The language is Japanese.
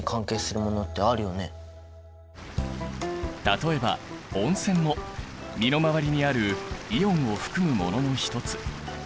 例えば温泉も身の回りにあるイオンを含むものの一つ。